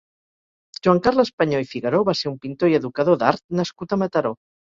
Joan Carles Panyó i Figaró va ser un pintor i educador d'art nascut a Mataró.